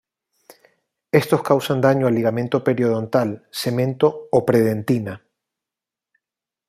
Estos causan daño al ligamento periodontal, cemento o pre-dentina.